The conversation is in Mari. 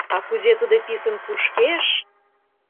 А кузе тудо писын кушкеш!